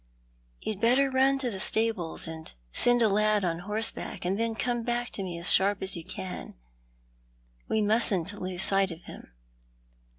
You'd better run to the stables, and send a lad on horse back, and then come back to me as sharp as you can. We mustn't lose sight of him."